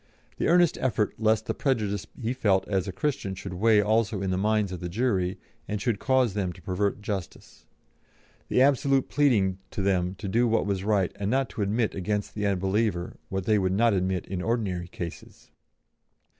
The earnest effort lest the prejudice he felt as a Christian should weigh also in the minds of the jury, and should cause them to pervert justice. The absolute pleading to them to do what was right and not to admit against the unbeliever what they would not admit in ordinary cases.